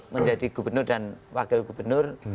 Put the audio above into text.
menjadi gubernur dan wakil gubernur